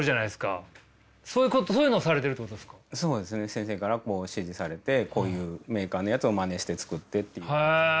先生から指示されてこういうメーカーのやつをまねして作ってっていう感じです。